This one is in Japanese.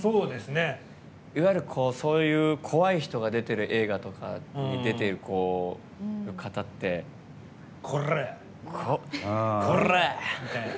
いわゆる、そういう怖い人が出てる映画とかに出てる方ってコラァァみたいな。